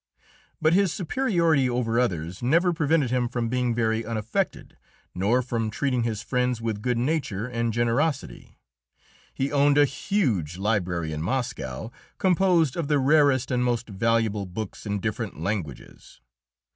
But his superiority over others never prevented him from being very unaffected, nor from treating his friends with good nature and generosity. He owned a huge library in Moscow, composed of the rarest and most valuable books in different languages.